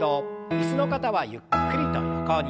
椅子の方はゆっくりと横に。